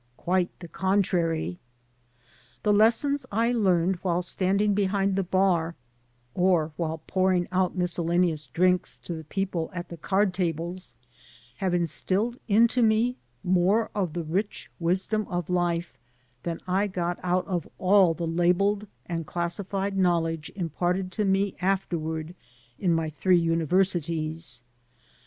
Quite the contrary. The lessons I learned while standing behind the bar or while pouring out miscellaneous drinks to the people at the card tables have instilled into me more of the rich wisdom of life than I got out of all the labeled and classified knowledge imparted to me afterward in my three universities — ^and this is no dubious praise for the universities.